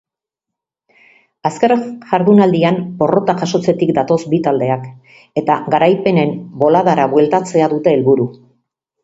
Azken jardunaldian porrota jasotzetik datoz bi taldeak eta garaipenen boladara bueltatzea dute helburu.